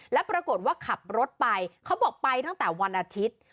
แล้วปรากฏว่าขับรถไปเขาบอกไปตั้งแต่วันอาทิตย์